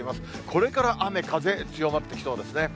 これから雨、風、強まってきそうですね。